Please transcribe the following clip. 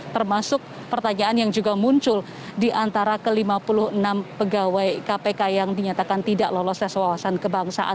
termasuk pertanyaan yang juga muncul di antara ke lima puluh enam pegawai kpk yang dinyatakan tidak lolos tes wawasan kebangsaan